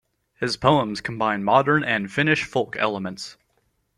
His poems combine modern and Finnish folk elements.